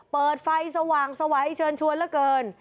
เปิดไฟสว่างสวัยเชิญชวนเหลือเกิน